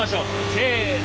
せの。